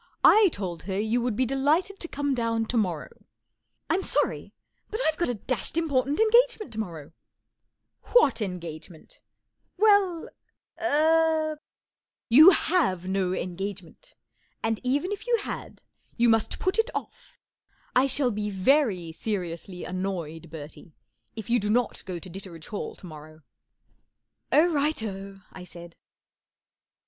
1 told her you would be delighted to come down tomorrow." I'm sorry, but I've got a dashed impor¬ tant engagement to morrow," What engagement ?" 41 Well—er " 41 You have no engagement. And, even if you had f you must put it off, I shall l>e very seriously annoyed, Bertie, if you do not go to Ditteredge Hall to morrow," " Oh, right o ! ,p I said, tOOC Vol Exiii.